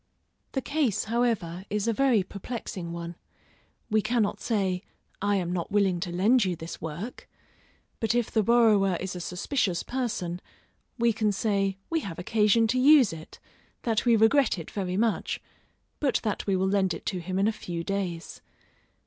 The case, however, is a very perplexing one; we cannot say, I am not willing to lend you this work; but if the borrower is a suspicious person, we can say we have occasion to use it, that we regret it very much, but that we will lend it to him in a few days.